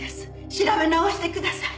調べ直してください。